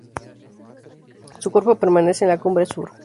Su cuerpo permanece en la cumbre Sur.